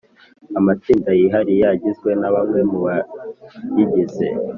amatsinda yihariye agizwe na bamwe mu bayigize